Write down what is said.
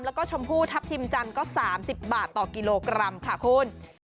แล้วก็ชมพู่ทัพทิมจันทร์ก็๓๐บาทต่อกิโลกรัมค่ะคุณ